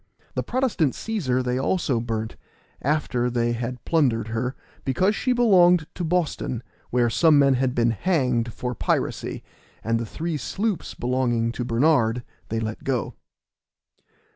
The Protestant Cæsar they also burnt, after they had plundered her, because she belonged to Boston, where some men had been hanged for piracy, and the three sloops belonging to Bernard they let go.